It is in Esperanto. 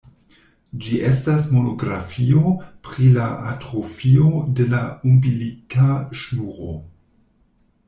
Ĝi estas monografio pri la atrofio de la umbilika ŝnuro.